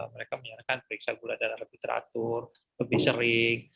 mereka menyarankan periksa gula darah lebih teratur lebih sering